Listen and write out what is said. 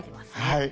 はい。